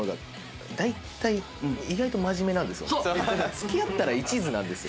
付き合ったら一途なんですよ。